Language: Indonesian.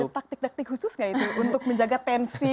ada taktik taktik khusus nggak itu untuk menjaga tensi